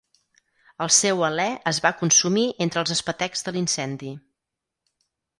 El seu alè es va consumir entre els espetecs de l'incendi.